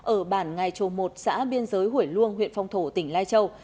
ở bản ngài trồ một xã biên giới hủy luông huyện phong thổ tỉnh lai châu